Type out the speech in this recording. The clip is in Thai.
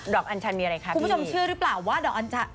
อัญชันมีอะไรคะคุณผู้ชมเชื่อหรือเปล่าว่าดอกอัญชัน